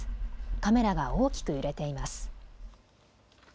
カメラが大きく揺れています。